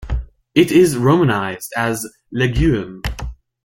It is Romanized as "Lugeum".